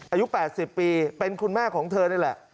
อายุ๘๐ปีเป็นคุณแม่ของเธอนี่แหละ